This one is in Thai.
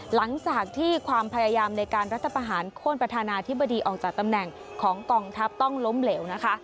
หลังจากที่ความพยายามในการรัฐประหารโค้นประธานาธิบดีออกจากตำแหน่งของกองทัพต้องล้มเหลวนะคะ